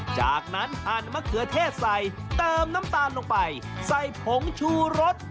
จากนั้นหั่นมะเขือเทศใส่เติมน้ำตาลลงไปใส่ผงชูรส